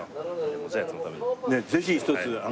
ぜひ一つ。